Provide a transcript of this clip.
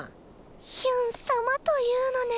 ヒュン様というのね。